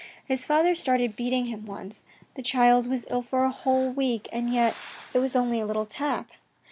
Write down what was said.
His father started beating him once. The child was ill for a whole week, and yet it was only a little tap."